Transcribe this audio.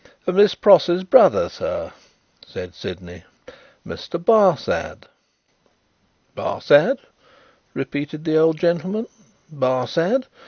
"Miss Pross's brother, sir," said Sydney. "Mr. Barsad." "Barsad?" repeated the old gentleman, "Barsad?